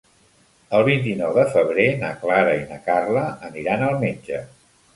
El vint-i-nou de febrer na Clara i na Carla aniran al metge.